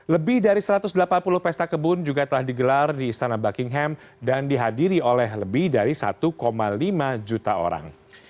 lebih dari satu ratus delapan puluh pesta kebun juga telah digelar di istana buckingham dan dihadiri oleh lebih dari satu lima juta orang